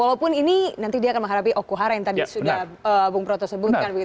walaupun ini nanti dia akan menghadapi okuhara yang tadi sudah bung proto sebutkan